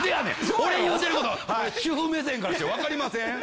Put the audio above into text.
俺言うてる事主婦目線からして分かりません？